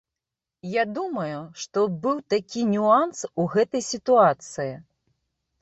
Я думаю, што быў такі нюанс у гэтай сітуацыі.